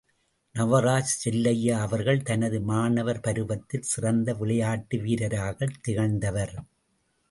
நவராஜ் செல்லையா அவர்கள் தனது மாணவர் பருவத்தில் சிறந்த விளையாட்டு வீரராகத் திகழ்ந்தவர்.